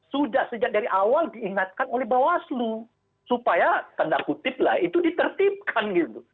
sudah sejak dari awal diingatkan oleh bawaslu supaya tanda kutip lah itu ditertibkan gitu